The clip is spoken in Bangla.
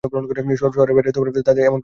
শহরের বাইরে এদের তেমন বিস্তার ঘটেনি।